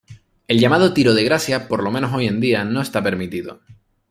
El llamado tiro de gracia, por lo menos hoy en día, no esta permitido.